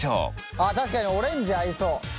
あ確かにオレンジ合いそう。